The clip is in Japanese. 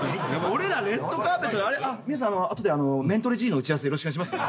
俺ら『レッドカーペット』で皆さん後で『メントレＧ』の打ち合わせよろしくお願いしますね。